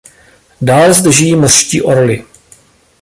Dále zde žijí mořští orli.